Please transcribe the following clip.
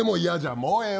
もうええわ！